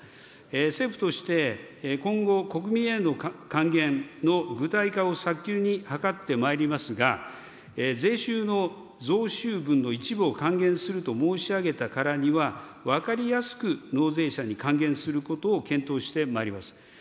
政府として、今後、国民への還元の具体化を早急に図ってまいりますが、税収の増収分の一部を還元すると申し上げたからには、分かりやすく納税者に還元することを検討してまいります。